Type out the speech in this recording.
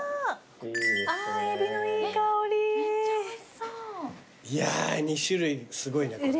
いやー２種類すごいなこれ。